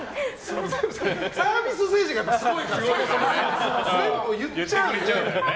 サービス精神がすごいから全部言っちゃうんだよね。